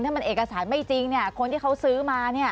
ถ้ามันเอกสารไม่จริงคนที่เขาซื้อมา